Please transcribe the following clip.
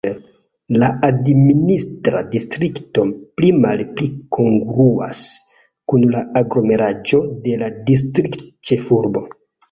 La administra distrikto pli-malpli kongruas kun la aglomeraĵo de la distriktĉefurbo.